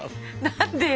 何でよ。